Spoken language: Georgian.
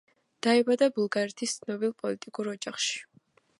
დაიბადა ბულგარეთის ცნობილ პოლიტიკურ ოჯახში.